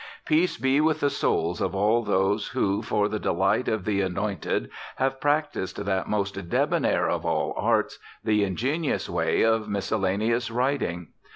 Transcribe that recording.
Peace be with the souls of all those who, for the delight of the anointed, have practised that most debonair of all the arts, the ingenious way of miscellaneous writing!